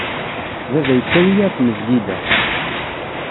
Baba yettawi-iyi ɣer tmezgida.